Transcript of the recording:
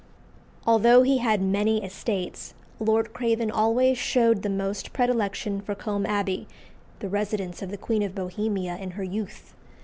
Although he had many estates, Lord Craven always showed the most predilection for Combe Abbey, the residence of the Queen of Bohemia in her youth.